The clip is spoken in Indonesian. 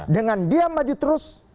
dengan dia maju terus